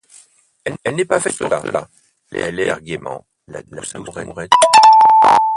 Elle n'est pas faite pour cela, elle erre gaîment, la douce amourette!